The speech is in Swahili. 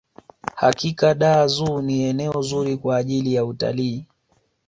hakika dar zoo ni eneo zuri kwa ajiri ya utalii